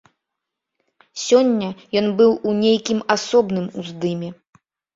Сёння ён быў у нейкім асобным уздыме.